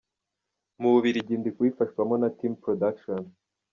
Mu Bubiligi ndi kubifashwamo na Team Production.